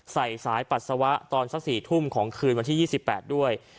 ใส่สายปัสสาวะตอนสักสี่ทุ่มของคืนวันที่ยี่สิบแปดด้วย